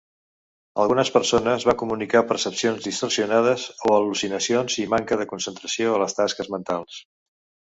Algunes persones van comunicar percepcions distorsionades o al·lucinacions i manca de concentració a les tasques mentals.